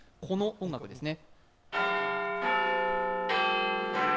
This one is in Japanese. この音楽ですね。